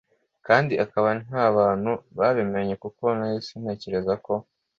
kandi akaba ntanabantu babimenye kuko nahise ntekereza ko